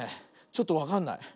ちょっとわかんない。